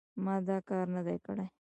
ما دا کار نه دی کړی.